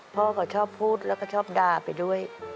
พ่อเขาชอบพูดแล้วก็ชอบด่าไปด้วย